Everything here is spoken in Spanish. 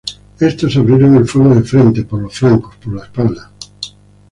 Estos abrieron el fuego de frente, por los flancos, por la espalda.